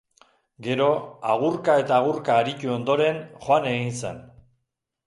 Gero, agurka eta agurka aritu ondoren, joan egin zen.